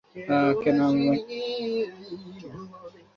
কেনা-বেচা সেখানে একেবারেই চলিবে না।